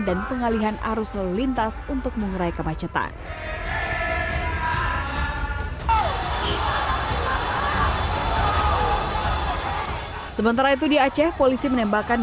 dan pengalihan arus lintas untuk mengurai kemacetan sementara itu di aceh polisi menembakkan